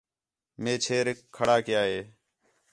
مئے چھیریک کھڑا کَیا ہِے